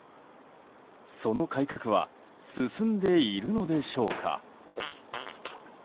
その改革は進んでいるのでしょうか。